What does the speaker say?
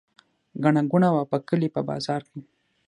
ګڼه ګوڼه وه په کلي په بازار کې.